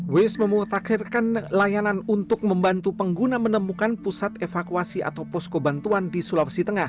wis memutakhirkan layanan untuk membantu pengguna menemukan pusat evakuasi atau poskobantuan di sulawesi tengah